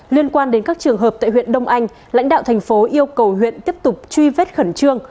liên quan đến các trường hợp tại huyện đông anh lãnh đạo thành phố yêu cầu huyện tiếp tục truy vết khẩn trương